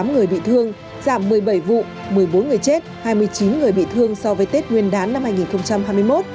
một trăm ba mươi tám người bị thương giảm một mươi bảy vụ một mươi bốn người chết hai mươi chín người bị thương so với tết nguyên đán năm hai nghìn hai mươi một